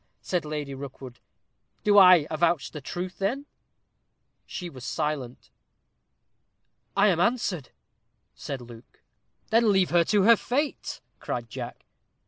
said Lady Rookwood. "Do I avouch the truth, then?" She was silent. "I am answered," said Luke. "Then leave her to her fate," cried Jack.